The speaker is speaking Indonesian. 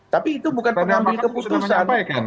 tapi itu bukan pengambil keputusan